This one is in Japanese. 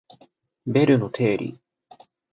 ベルの定理